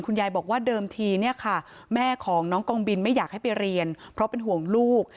ยายบอกว่าเดิมทีเนี่ยค่ะแม่ของน้องกองบินไม่อยากให้ไปเรียนเพราะเป็นห่วงลูก